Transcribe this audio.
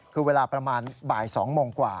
คือเวลาประมาณบ่าย๒โมงกว่า